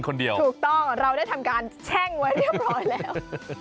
ถูกต้องเราได้ทำการแช่งไว้เรียบร้อยแล้ว